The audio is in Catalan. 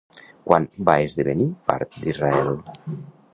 Quan va esdevenir part d'Israel?